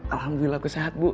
alhamdulillah aku sehat ibu